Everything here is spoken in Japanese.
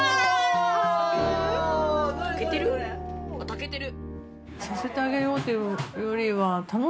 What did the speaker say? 炊けてる！